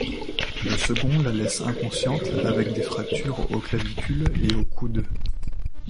Le second la laisse inconsciente avec des fractures aux clavicules et au coude.